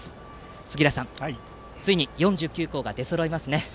杉浦さん、ついに４９校が出そろいますね。